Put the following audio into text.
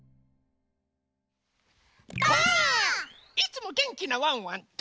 いつもげんきなワンワンと。